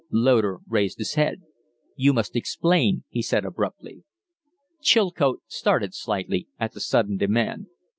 Loder raised his head. "You must explain," he said, abruptly. Chilcote started slightly at the sudden demand.